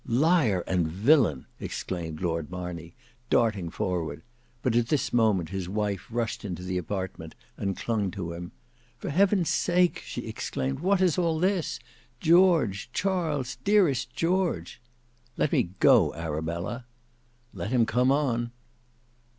"Liar and villain!" exclaimed Lord Marney, darting forward: but at this moment his wife rushed into the apartment and clung to him. "For heaven's sake," she exclaimed, "What is all this? George, Charles, dearest George!" "Let me go, Arabella." "Let him come on."